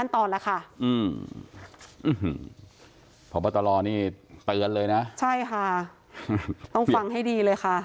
พบตรนี่เตือนเลยนะใช่ค่ะต้องฟังให้ดีเลยค่ะ